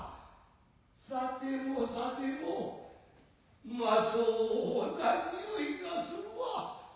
さてもさてもうまそうな匂いがするわ。